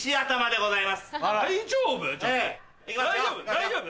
大丈夫？